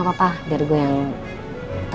ya rina tenang ya